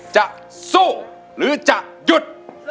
จะสู้หรือจะหยุด